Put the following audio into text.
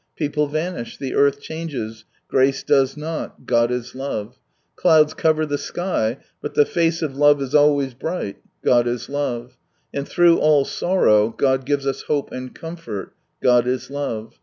People vanuh, the earth changes, Grace does not : Cad it Lme. Cleiids csver At sty. iul the fate ef Lave is always bHghi ■ Cod is Lave. And through all sorrow, Cal gizli us hopi and {omfort God is Love.